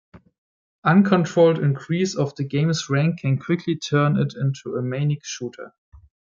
Uncontrolled increase of the game's rank can quickly turn it into a manic shooter.